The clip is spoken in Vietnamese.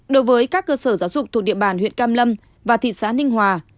đối với các cơ sở giáo dục thuộc địa bàn huyện cam lâm và thị xã ninh hòa